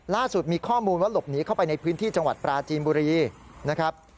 ล่าสุดมีข้อมูลว่าหลบหนีเข้าไปในพื้นที่จังหวัดปราจีนบุรีนะครับ